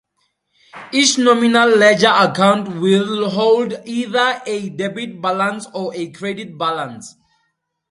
Each nominal ledger account will hold either a debit balance or a credit balance.